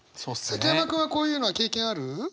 崎山君はこういうのは経験ある？